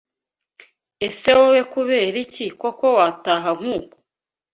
Ese wowe kubera iki koko wataha nk’uku?